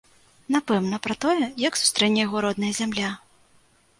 Напэўна, пра тое, як сустрэне яго родная зямля.